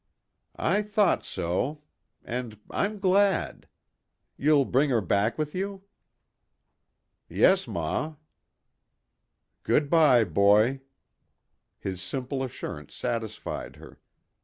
"I thought so. And I'm glad. You'll bring her back with you?" "Yes, ma." "Good bye, boy." His simple assurance satisfied her.